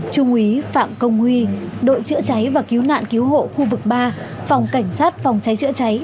trung úy phạm công huy đội chữa cháy và cứu nạn cứu hộ khu vực ba phòng cảnh sát phòng cháy chữa cháy